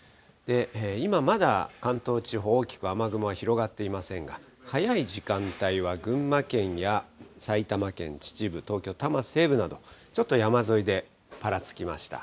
今、まだ関東地方、大きく雨雲は広がっていませんが、早い時間帯は、群馬県や埼玉県秩父、東京・多摩西部など、ちょっと山沿いでぱらつきました。